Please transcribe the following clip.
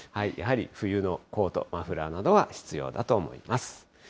やはり冬のコート、マフラーなどは必要だと思います。